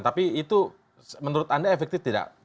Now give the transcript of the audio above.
tapi itu menurut anda efektif tidak